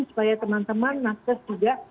supaya teman teman nakes juga